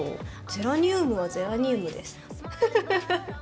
ゼラニウムはゼラニウムですフフフ！